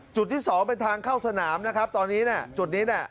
จุดที่สองเป็นทางเข้าสนามนะครับตอนนี้น่ะจุดนี้น่ะ